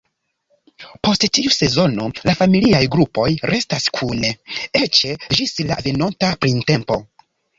Post tiu sezono la familiaj grupoj restas kune eĉ ĝis la venonta printempo.